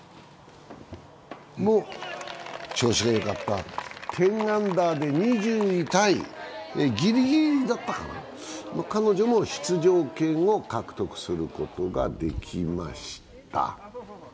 調子がよかった、１０アンダーで２０位タイ、ぎりぎりだったかな、彼女も出場権を獲得することができました。